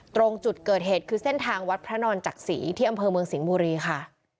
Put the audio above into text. ตรงจุดเกิดเหตุคือเส้นทางวัดพระนอนจักษีที่อำเภอเมืองสิงห์บุรีค่ะ